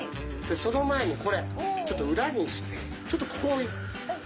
その前にこれちょっと裏にしてちょっとここを開かせてもらう。